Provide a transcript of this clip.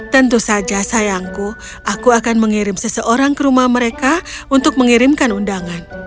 tentu saja sayangku aku akan mengirim seseorang ke rumah mereka untuk mengirimkan undangan